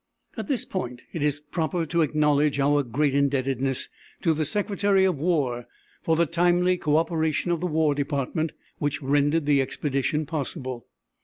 At this point it is proper to acknowledge our great indebtedness to the Secretary of War for the timely co operation of the War Department, which rendered the expedition possible.